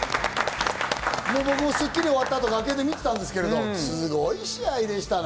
僕も『スッキリ』が終わった後、楽屋で見てたんですけれども、すごい試合でしたね。